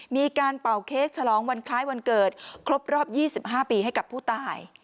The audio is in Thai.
เป่าเค้กฉลองวันคล้ายวันเกิดครบรอบ๒๕ปีให้กับผู้ตาย